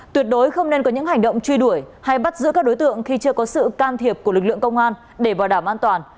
tuyệt đối không nên có những hành động truy đuổi hay bắt giữ các đối tượng khi chưa có sự can thiệp của lực lượng công an để bảo đảm an toàn